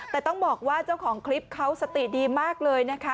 แต่ต้องบอกว่าเจ้าของคลิปเขาสติดีมากเลยนะคะ